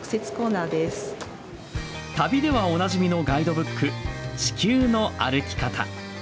旅ではおなじみのガイドブック、地球の歩き方。